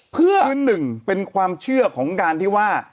คือ๑เป็นความเชื่อของการที่ว่า